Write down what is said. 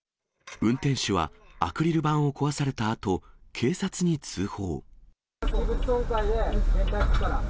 運転手はアクリル板を壊されたあと、警察に通報。